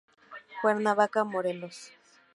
Cuernavaca, Morelos.